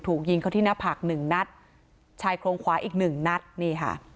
ถูกยิงเขาที่หน้าผากหนึ่งนัดชายโครงขวาอีกหนึ่งนัดนี่ค่ะ